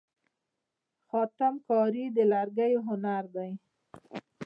خاتم کاري د لرګیو هنر دی.